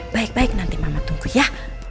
baik baik nanti mama tuku ya